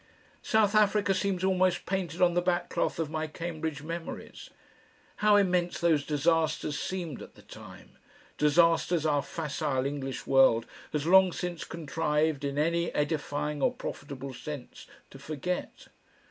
South Africa seems always painted on the back cloth of my Cambridge memories. How immense those disasters seemed at the time, disasters our facile English world has long since contrived in any edifying or profitable sense to forget!